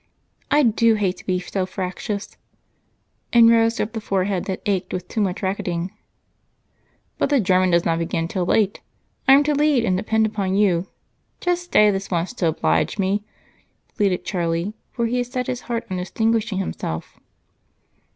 I do hate to be so fractious," and Rose rubbed the forehead that ached with too much racketing. "But the German does not begin till late I'm to lead and depend upon you. Just stay this once to oblige me," pleaded Charlie, for he had set his heart on distinguishing himself.